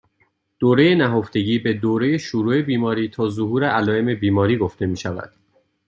دوره نهفتگی به دوره شروع بیماری تا ظهور علایم بیماری گفته میشود